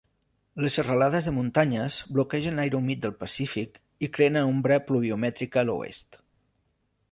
Les serralades de muntanyes bloquegen l'aire humit del Pacífic i creen ombra pluviomètrica a l'oest.